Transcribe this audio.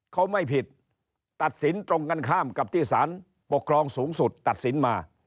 เขาไม่ผิดตัดสินตรงกันข้ามกับที่สารปกครองสูงสุดตัดสินมา